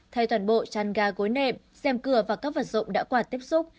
thay toàn bộ chăn gà gối nệm xem cửa và các vật rộng đã quạt tiếp xúc